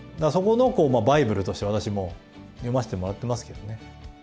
そこのバイブルとして私も読ませてもらってますけどね。